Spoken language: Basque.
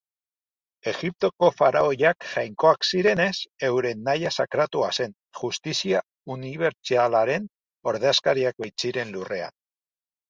Egiptoko faraoiak jainkoak zirenez, euren nahia sakratua zen, justizi unibertsalaren ordezkariak baitziren lurrean.